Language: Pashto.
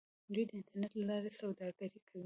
دوی د انټرنیټ له لارې سوداګري کوي.